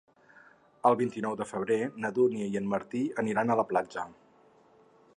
El vint-i-nou de febrer na Dúnia i en Martí aniran a la platja.